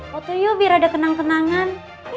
foto yuk biar ada kenang kenangan